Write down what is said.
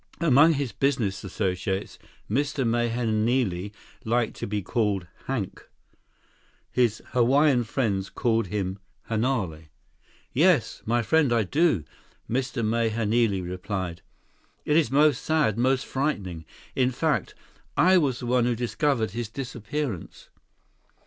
Among his business associates, Mr. Mahenili liked to be called Hank. His Hawaiian friends called him Hanale. 26 "Yes, my friend, I do," Mr. Mahenili replied. "It is most sad, most frightening. In fact, I was the one who discovered his disappearance."